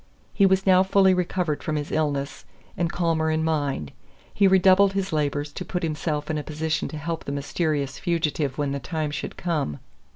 He was now fully recovered from his illness, and calmer in mind; he redoubled his labors to put himself in a position to help the mysterious fugitive when the time should come.